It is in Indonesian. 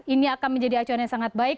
ini akan menjadi acuannya sangat baik